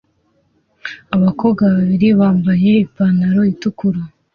Abakobwa babiri bambaye ipantaro itukura